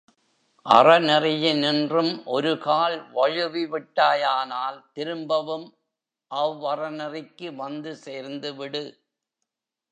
அறநெறியினின்றும் ஒருகால் வழுவி விட்டாயானால் திரும்பவும் அவ் அறநெறிக்கு வந்து சேர்ந்துவிடு.